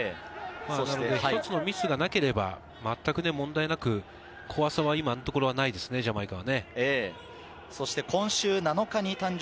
一つのミスがなければ、まったく問題なく、怖さは今のところないですね、ジャマイカは。